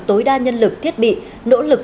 tối đa nhân lực thiết bị nỗ lực